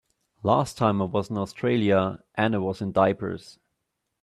Last time I was in Australia Anne was in diapers.